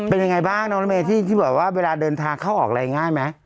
เป็นยังไงบ้างน้องรถเมย์ที่บอกว่าเวลาเดินทางเข้าออกอะไรง่ายไหม